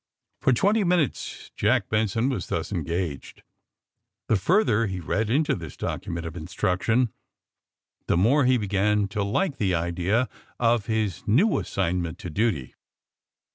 For twenty minutes Jack Benson was thus en gaged. The further he read into tliis document of instruction the more he began to like the idea of his new assignment to duty.